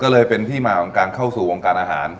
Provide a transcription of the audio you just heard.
ก็เลยเป็นที่มาของการเข้าสู่วงการอาหาร